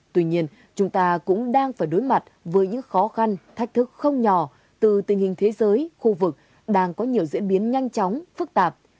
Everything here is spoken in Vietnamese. tuy nhiên chúng ta cũng đang phải đối mặt với những khó khăn thách thức không nhỏ từ tình hình thế giới khu vực đang có nhiều diễn biến nhanh chóng phức tạp